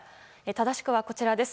正しくはこちらです。